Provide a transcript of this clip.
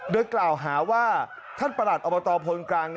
โดยกล่าวหาว่าท่านประหลัดอบตพลกลาง